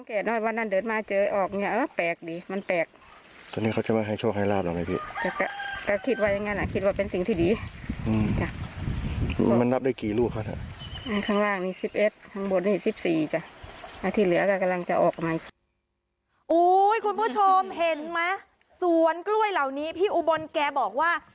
คุณผู้ชมเห็นไหมสวนกล้วยเหล่านี้พี่อุบลแกบอกว่า